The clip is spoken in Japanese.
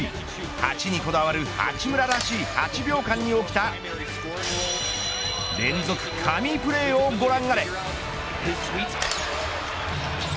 ８にこだわる八村らしい８秒間に起きた連続神プレーをご覧あれ。